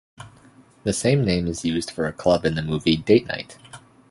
This same name is used for a club in the movie "Date Night".